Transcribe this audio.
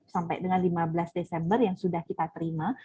sampai dengan lima belas desember yang sudah kita terima